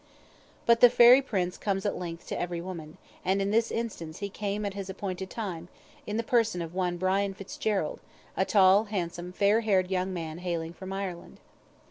But the fairy prince comes at length to every woman, and in this instance he came at his appointed time, in the person of one Brian Fitzgerald, a tall, handsome, fair haired young man hailing from Ireland.